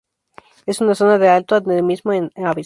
Es una zona de alto endemismo en aves.